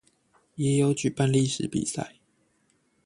也有舉辦立石比賽